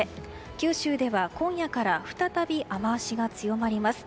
九州では今夜から再び雨脚が強まります。